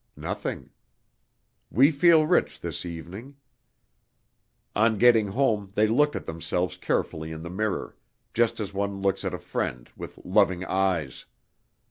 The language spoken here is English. Nothing. We feel rich this evening!... On getting home they looked at themselves carefully in the mirror just as one looks at a friend, with loving eyes.